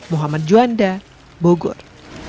muhammad juanda bogor